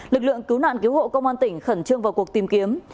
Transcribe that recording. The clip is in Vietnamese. lực lượng cứu nạn cứu hộ công an tỉnh khẩn trương vào cuộc tìm kiếm